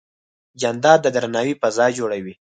جانداد د درناوي فضا جوړوي.